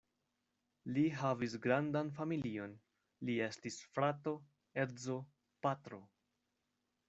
Li havis grandan familion: li estis frato, edzo, patro.